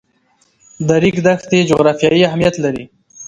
د ریګ دښتې جغرافیایي اهمیت لري.